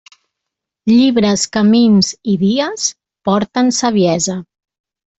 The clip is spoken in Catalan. Llibres, camins i dies porten saviesa.